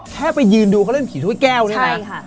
แค่ไปยืนดูเขาเรื่องผีถ้วยแก้วเนี่ยนะ